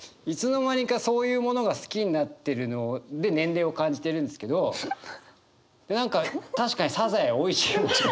いつの間にかそういうものが好きになってるので年齢を感じてるんですけど何か確かにサザエおいしいもんな。